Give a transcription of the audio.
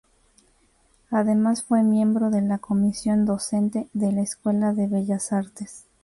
Además fue miembro de la comisión docente de la Escuela de Bellas Artes.